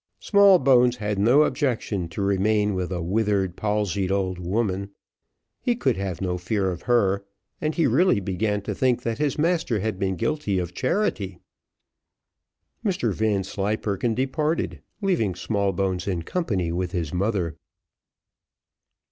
Smallbones had no objection to remain with a withered, palsied old woman. He could have no fear of her, and he really began to think that his master had been guilty of charity. Mr Vanslyperken departed, leaving Smallbones in company with his mother.